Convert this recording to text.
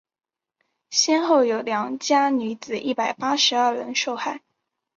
先后有良家女子一百八十二人受害。